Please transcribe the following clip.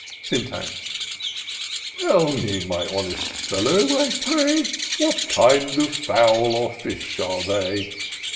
Syntax. " Tell me, my honest friend, I pray, What kind of fowl or fish are they